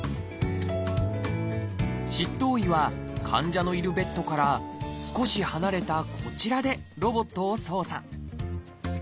執刀医は患者のいるベッドから少し離れたこちらでロボットを操作。